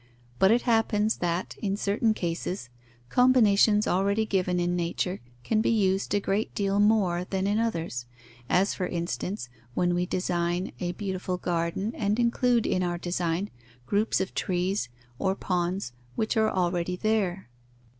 But it happens that, in certain cases, combinations already given in nature can be used a great deal more than in others; as, for instance, when we design a beautiful garden and include in our design groups of trees or ponds which are already there.